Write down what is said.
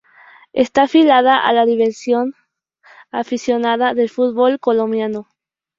Está afiliada a la División Aficionada del Fútbol Colombiano.